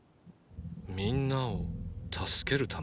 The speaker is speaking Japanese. みんなをたすけるため？